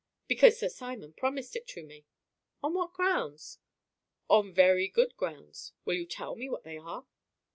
"Because Sir Simon promised it to me." "On what grounds." "On very good grounds." "Will you tell me what they are?"